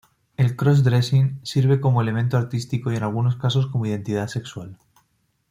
El "cross-dressing" sirve como elemento artístico y en algunos casos como identidad sexual.